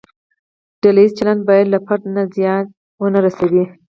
ډله ییز چلند باید فرد ته زیان ونه رسوي.